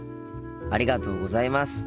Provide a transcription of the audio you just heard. ありがとうございます。